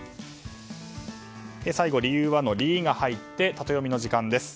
最後、理由の「リ」が入ってタテヨミの時間です。